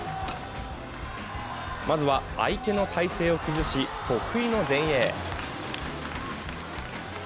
まずは、相手の体勢を崩し、得意の前衛。